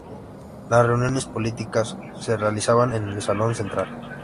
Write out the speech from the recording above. Las reuniones políticas se realizaban en el Salón Central.